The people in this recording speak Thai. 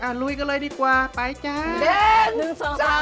เอาล่ะหล่วงก็เลยดีกว่าไปกัน